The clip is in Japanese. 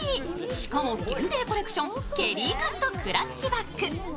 しかも限定コレクションケリーカットクラッチバッグ。